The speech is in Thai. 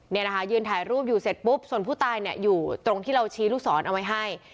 นี่นะคะยืนถ่ายรูปอยู่เสร็จปุ๊บส่วนผู้ตายเนี่ยอยู่ตรงที่เราชี้ลูกศรเอาไว้ให้